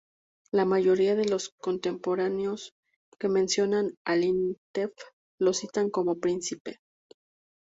La mayoría de los contemporáneos que mencionan a Intef I lo citan como ""Príncipe"".